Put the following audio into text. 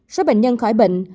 số bệnh nhân khỏi bệnh